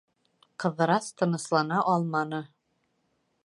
Ҡыҙырас тыныслана алманы.